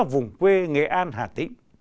vùng quê nghệ an hà tĩ